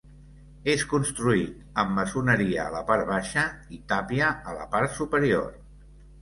És construït amb maçoneria a la part baixa i tàpia a la part superior.